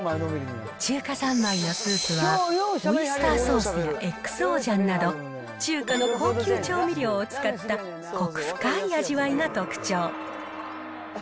中華三昧のスープはオイスターソースやＸＯジャンなど、中華の高級調味料を使ったこく深い味わいが特徴。